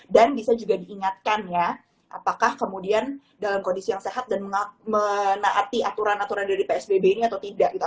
dan bisa juga diingatkan ya apakah kemudian dalam kondisi yang sehat dan menaati aturan aturan dari psbb ini atau tidak